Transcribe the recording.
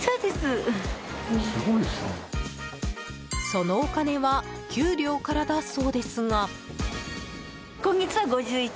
そのお金は給料からだそうですが。